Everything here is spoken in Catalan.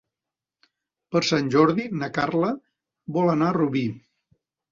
Per Sant Jordi na Carla vol anar a Rubí.